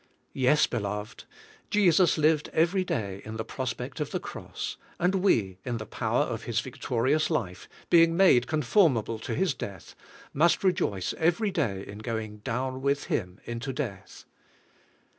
Yes, beloved; Jesus lived every day in the prospect of the cross, and we, in the power of His victorious life, being made con formable to His death, must rejoice every day in going down with Him into death.